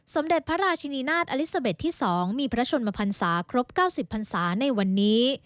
สมเด็จพระราชินีนาฏอลิซาเบ็ดที่๒มีพระชนมพันศาครบ๙๐พันศาในวันนี้